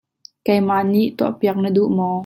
keimah nih tuah piak na duh maw?